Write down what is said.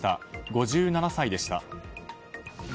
５７歳でした。